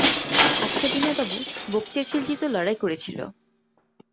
আচ্ছা বিনয়বাবু, বক্তিয়ার খিলিজি তো লড়াই করেছিল?